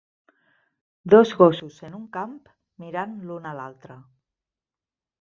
Dos gossos en un camp mirant l'un a l'altre.